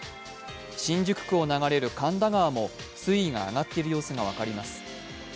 新宿区を流れる神田川も水位が上がっている様子が分かります。